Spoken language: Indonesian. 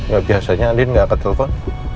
gak biasa nya andi gak akan telfon